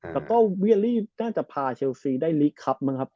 แต่เวียรี่น่าจะพาเชลฟีได้หลีกคลับหนึ่งครับ